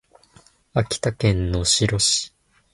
秋田県能代市